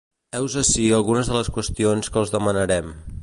Heus ací algunes de les qüestions que els demanarem.